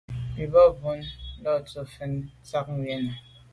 Bɑ̀ búnə́ lá tɔ̌ fɛ̀n ngə ndzɑ̂k ncwɛ́n.